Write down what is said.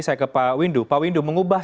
saya ke pak windu pak windu mengubah